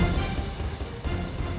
kami yang akan menangkap orang lainnya